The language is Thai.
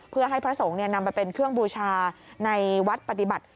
เพื่อให้พระสงฆ์นำไปเป็นเครื่องบูชาในวัดปฏิบัติ